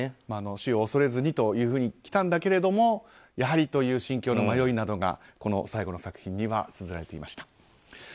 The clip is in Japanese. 死を恐れずにというふうに来たんだけれどもやはりという心境の迷いなどがこの最後の作品につづられていました。